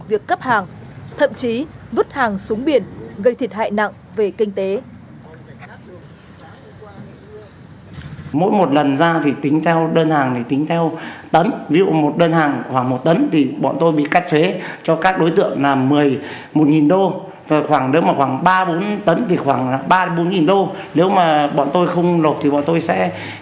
việc cấp hàng thậm chí vứt hàng xuống biển gây thiệt hại nặng về kinh tế